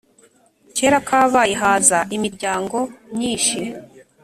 kera kabaye haza imiryango myishi